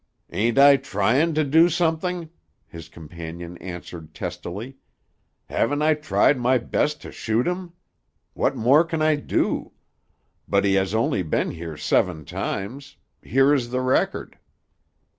"Ain't I trying to do something?" his companion answered testily. "Haven't I tried my best to shoot him? What more can I do? But he has only been here seven times. Here is the record."